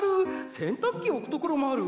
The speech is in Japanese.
洗濯機置くところもある。